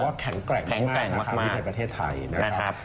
ก็ว่าแข็งแกร่งมากในประเทศไทยนะครับ